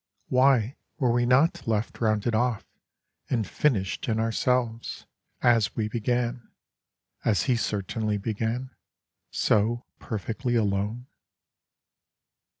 Why were we not left rounded off, and finished in ourselves, As we began, As he certainly began, so perfectly alone?